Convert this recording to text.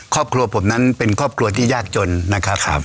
ครอบครัวผมนั้นเป็นครอบครัวที่ยากจนนะครับ